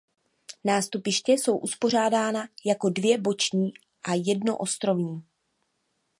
Nástupiště jsou uspořádána jako dvě boční a jedno ostrovní.